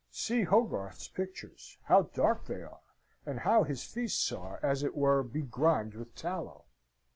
See Hogarth's pictures: how dark they are, and how his feasts are, as it were, begrimed with tallow!